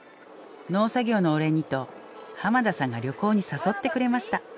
農作業のお礼にと浜田さんが旅行に誘ってくれました。